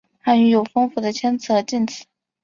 汉语有丰富的谦辞和敬辞。